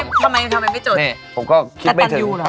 ทำไมไม่จดแต่ตันยูหรอ